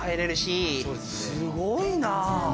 すごいな。